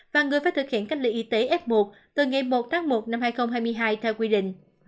và người phải thực hiện cách ly y tế f một từ ngày một tháng một năm hai nghìn hai mươi hai theo quy định